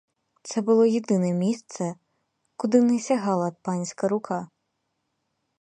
Це було єдине місце, куди не сягала панська рука.